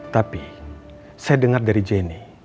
tapi saya dengar dari jenny